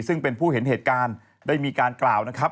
ซึ่งเป็นผู้เห็นเหตุการณ์ได้มีการกล่าวนะครับ